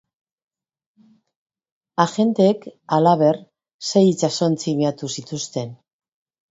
Agenteek, halaber, sei itsasontzi miatu zituzten.